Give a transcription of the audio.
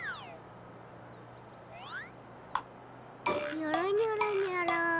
にょろにょろにょろ。